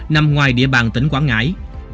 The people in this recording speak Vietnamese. nằm ngoài địa bàn tỉnh quảng ngãi